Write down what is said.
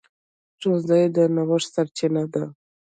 ښوونځی د نوښت سرچینه ده